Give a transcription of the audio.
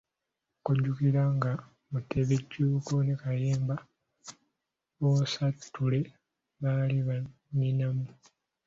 Ojjukira nga Mutebi, Jjuuko ne Kayemba bonsatule baali bannyina omu.